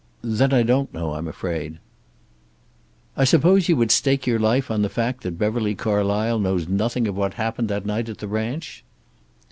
"Then I don't know, I'm afraid." "I suppose you would stake your life on the fact that Beverly Carlysle knows nothing of what happened that night at the ranch?"